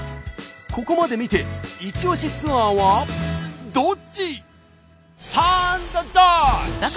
ここまで見てイチオシツアーはどっち？